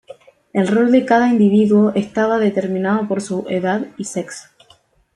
El rol de cada individuo estaba determinado por su edad y sexo.